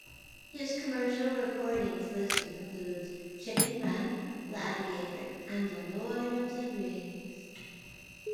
His commercial recordings list includes "Chicken Run", "Gladiator" and "The Lord of the Rings".